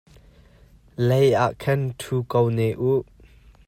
Lei ah khan ṭhu ko ne uh.